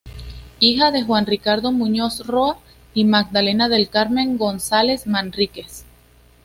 Hija de Juan Ricardo Muñoz Roa y Magdalena del Carmen González Manríquez.